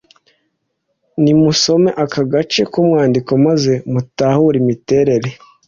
Nimusome aka gace k’umwandiko maze mutahure imiterere